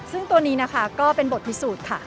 ซึ่งตัวนี้นะคะก็เป็นบทพิสูจน์ค่ะ